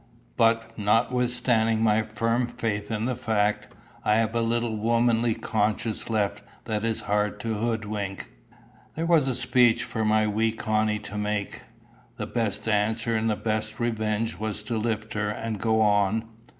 But, notwithstanding my firm faith in the fact, I have a little womanly conscience left that is hard to hoodwink." There was a speech for my wee Connie to make! The best answer and the best revenge was to lift her and go on.